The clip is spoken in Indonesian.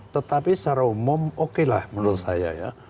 tetapi secara umum okelah menurut saya ya